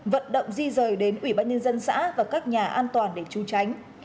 vận động di rời đến ủy ban nhân dân xã và các nhà an toàn để tru tránh